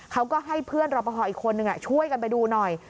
เขาก็ให้เพื่อนรอปภอีกคนนึงช่วยกันไปดูหน่อย